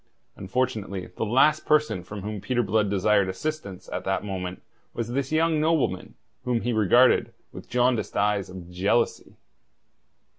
Unfortunately the last person from whom Peter Blood desired assistance at that moment was this young nobleman, whom he regarded with the jaundiced eyes of jealousy.